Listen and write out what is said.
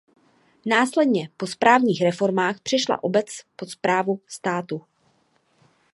Následně po správních reformách přešla obec pod správu státu.